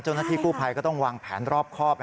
เจ้าหน้าที่กู้ภัยก็ต้องวางแผนรอบครอบ